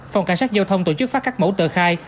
phòng cảnh sát giao thông tổ chức phát các mẫu tờ khai